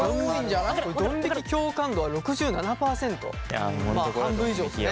ドン引き共感度は６７％半分以上ですね。